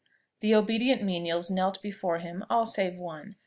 The obedient menials knelt before him, all save one.